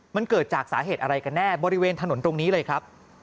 มันเกิดจากสาเหตุอะไรกันแน่บริเวณถนนตรงนี้เลยครับ